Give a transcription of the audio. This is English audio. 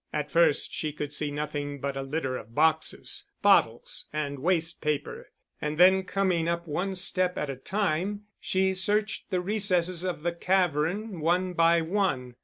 At first she could see nothing but a litter of boxes, bottles and waste paper, and then coming up one step at a time, she searched the recesses of the cavern one by one.